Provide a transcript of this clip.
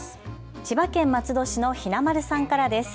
千葉県松戸市のひなまるさんからです。